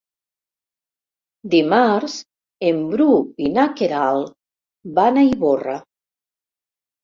Dimarts en Bru i na Queralt van a Ivorra.